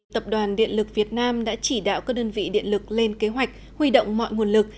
tập đoàn điện lực việt nam đã chỉ đạo các đơn vị điện lực lên kế hoạch huy động mọi nguồn lực